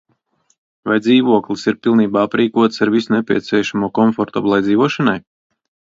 Vai dzīvoklis ir pilnībā aprīkots ar visu nepieciešamo komfortablai dzīvošanai?